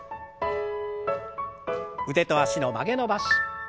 腕と脚の曲げ伸ばし。